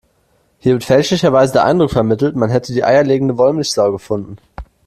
Hier wird fälschlicherweise der Eindruck vermittelt, man hätte die eierlegende Wollmilchsau gefunden.